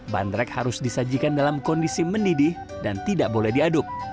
bandrek harus disajikan dalam kondisi mendidih dan tidak boleh diaduk